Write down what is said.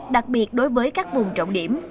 đặc biệt đối với các vùng trọng điểm